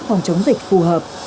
phòng chống dịch phù hợp